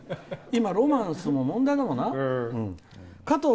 今、ロマンスも問題だもんな。